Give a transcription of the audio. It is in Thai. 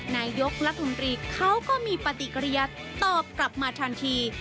นายกรัฐมนตรีเขาก็มีปฏิกิริยัติตอบกลับมาทันที